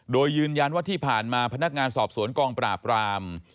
โดยยืนยันว่าที่ผ่านมาพนักงานสอบสวนกองปราบราม